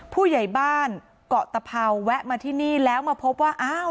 ผู้ใหญ่บ้านเกาะตะเภาแวะมาที่นี่แล้วมาพบว่าอ้าว